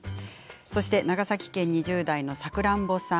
そして長崎県２０代の方です。